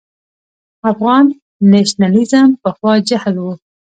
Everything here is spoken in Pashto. افغان نېشنلېزم پخوا جهل و.